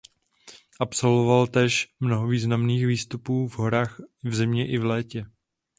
Absolvoval též mnoho významných výstupů v horách v zimě i v létě.